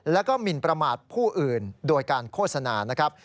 แล้วก็หมินประมาทผู้อื่นโดยการโฆษณานะครับ